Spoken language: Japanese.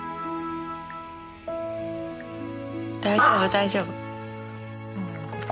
大丈夫大丈夫。